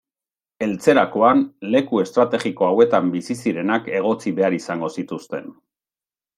Heltzerakoan, leku estrategiko hauetan bizi zirenak egotzi behar izango zituzten.